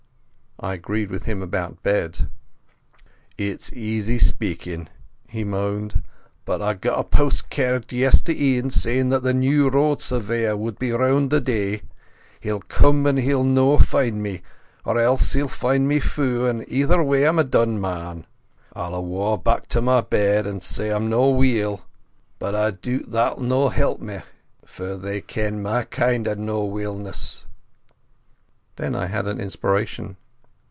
I agreed with him about bed. "It's easy speakin'," he moaned. "But I got a postcard yestreen sayin' that the new Road Surveyor would be round the day. He'll come and he'll no find me, or else he'll find me fou, and either way I'm a done man. I'll awa' back to my bed and say I'm no weel, but I doot that'll no help me, for they ken my kind o' no weel ness." Then I had an inspiration.